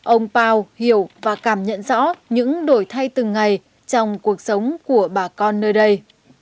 ông pao hiểu và cảm nhận rõ những đổi thay từng ngày trong cuộc sống của bà con nơi đây